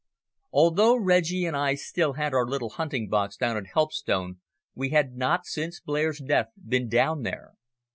Although Reggie and I still had our little hunting box down at Helpstone we had not, since Blair's death, been down there.